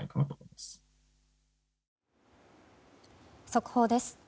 速報です。